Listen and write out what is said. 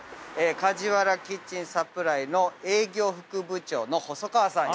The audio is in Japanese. カジワラキッチンサプライの営業副部長の細川さん